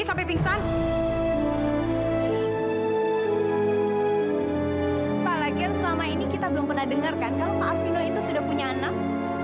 apalagi selama ini kita belum pernah dengerkan kalau pak arvino itu sudah punya anak